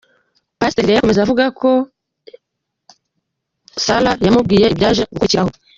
Pasteri rero akomeza avuga uko Salah yamubwiye ibyaje gukurikiraho.